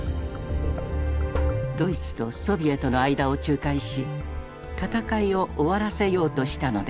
ドイツとソビエトの間を仲介し戦いを終わらせようとしたのである。